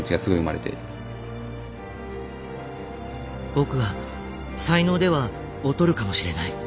僕は才能では劣るかもしれない。